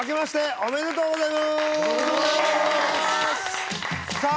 おめでとうございますさあ